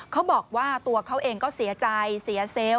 เขาบอกว่าตัวเขาเองก็เสียใจเสียเซลล์